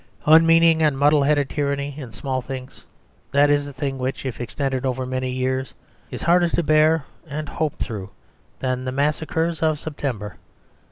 Unmeaning and muddle headed tyranny in small things, that is the thing which, if extended over many years, is harder to bear and hope through than the massacres of September.